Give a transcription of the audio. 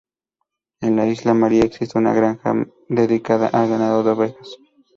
En la isla María existe una granja dedicada al ganado de ovejas.